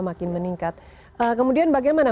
makin meningkat kemudian bagaimana